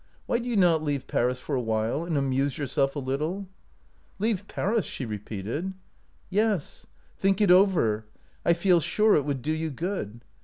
Why do you not leave Paris for a while and amuse yourself a little ?"" Leave Paris! " she repeated. " Yes ; think it over. I feel sure it would do you good.